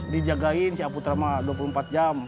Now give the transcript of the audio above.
dijagain si aputra mah dua puluh empat jam